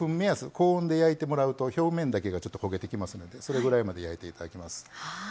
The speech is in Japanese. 高温で焼いてもらうと表面だけがちょっと焦げてきますのでそれぐらいまで焼いていただきます。